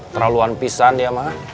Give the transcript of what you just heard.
terlaluan pisah dia ma